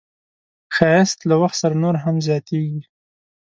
ښایست له وخت سره نور هم زیاتېږي